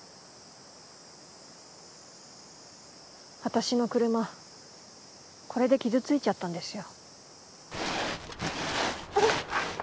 私の車これで傷ついちゃったんですよ。